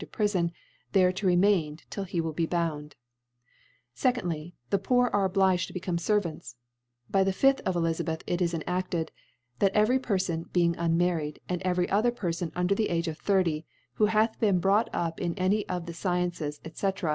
to Prifon, there to remain till he will be bound. 2dfyy The Poor are obliged to become Servants. By the 5th of Eliz. J it is enafted, * That every Perfon being unmarried, and every other Perfon under the Age of 30, who hath been brought up in any of the Sci ences, fcfr.